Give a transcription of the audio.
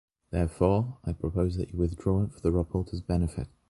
Therefore, I propose that you withdraw it for the reporter’s benefit.